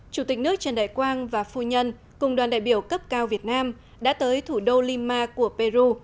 chủ tịch nước trần đại quang và phu nhân cùng đoàn đại biểu cấp cao việt nam đã tới thủ đô lima của peru